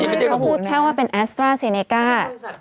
ไม่เขาพูดแค่ว่าเป็นแอสตราเซเนก้า